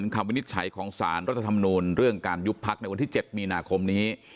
รอลุ้นผลความวินิจฉัยของสารรัฐธรรมนุนเรื่องการยุบพลักษณ์ในวันที่๗มีนาคมนี้